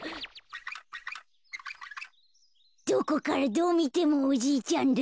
どこからどうみてもおじいちゃんだ。